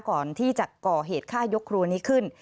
ก่อนที่จะก่อเหตุฆ่ายกครัวนี้ขึ้น